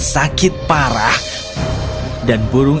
di persidangan mariana dijatuhi hukuman untuk dilempar dari curang